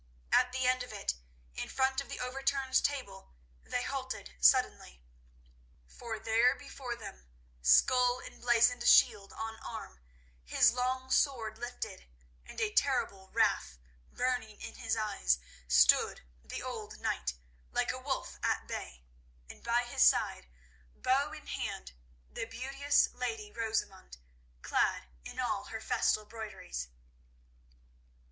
At the end of it, in front of the overturned table, they halted suddenly. For there before them, skull emblazoned, shield on arm, his long sword lifted, and a terrible wrath burning in his eyes, stood the old knight, like a wolf at bay, and by his side, bow in hand, the beauteous lady Rosamund, clad in all her festal broideries.